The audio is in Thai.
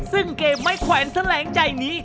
ซึ่งเกมไม้แขวนแถลงใจนี้